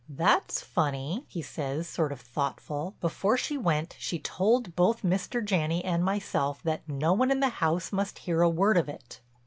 "That's funny," he says, sort of thoughtful. "Before she went she told both Mr. Janney and myself that no one in the house must hear a word of it."